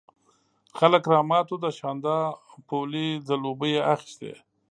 خلک رامات وو، د شانداپولي ځلوبۍ یې اخيستې.